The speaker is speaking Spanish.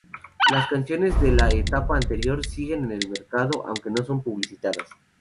Las canciones de la etapa anterior siguen en el mercado, aunque no son publicitadas.